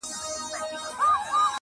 زړه به درکوم ته به یې نه منې-